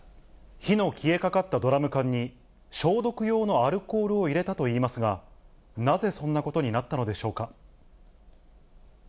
火の消えかかったドラム缶に、消毒用のアルコールを入れたといいますが、なぜそんなことになったのでしょうか。